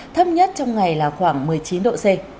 thấp nhất trong ngày là khoảng một mươi chín độ c